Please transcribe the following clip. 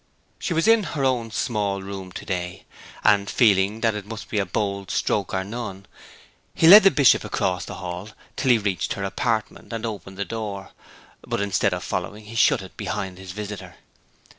She was in her own small room to day; and, feeling that it must be a bold stroke or none, he led the Bishop across the hall till he reached her apartment and opened the door; but instead of following he shut it behind his visitor.